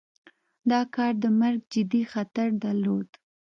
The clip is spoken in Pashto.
دا کار د مرګ جدي خطر درلود.